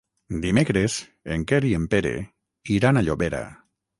Dimecres en Quer i en Pere iran a Llobera.